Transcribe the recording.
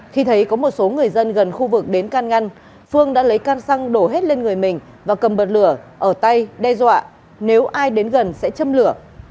khi thấy có một số người dân gần khu vực đến can ngăn phương đã lấy can xăng đổ hết lên người mình và cầm bật lửa ở tay đe dọa nếu ai đến gần sẽ châm lửa